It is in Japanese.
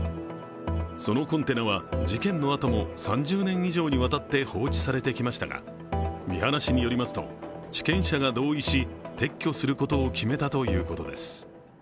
そのコンテナは事件のあとも３０年以上にわたって放置されてきましたが三原市によりますと、地権者が同意し撤去することを決めたということです。